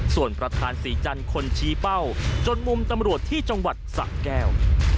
ส่วนประธานศรีจันทร์คนชี้เป้าจนมุมตำรวจที่จังหวัดสะแก้ว